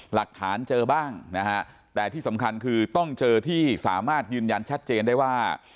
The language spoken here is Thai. หลักฐานเจอบ้างนะฮะแต่ที่สำคัญคือต้องเจอที่สามารถยืนยันชัดเจนได้ว่า